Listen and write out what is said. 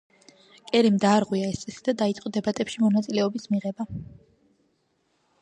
კერიმ დაარღვია ეს წესი და დაიწყო დებატებში მონაწილეობის მიღება.